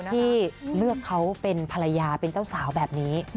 ที่เลือกเขาเป็นภรรยาเป็นเจ้าสาวแบบนี้